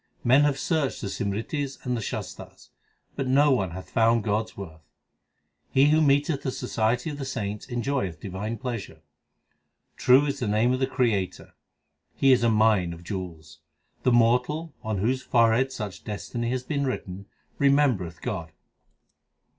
Men have searched the Simritis and the Shastars, but no one hath found God s worth. He who meeteth the society of the saints enjoyeth divine pleasure. True is the name of the Creator ; He is a mine of jewels. The mortal, on whose forehead such destiny hath been written, remembereth God.